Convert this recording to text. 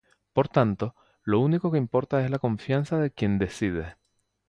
Por tanto, lo único que importa es la confianza de quien decide.